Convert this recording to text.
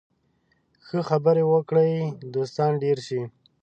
که ښه خبرې وکړې، دوستان ډېر شي